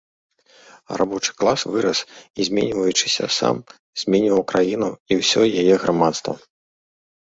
Рабочы клас вырас і, зменьваючыся сам, зменьваў краіну і ўсё яе грамадства.